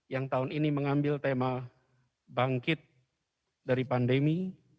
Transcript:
yang tahun ini mengambil tema bangkit dari pandemi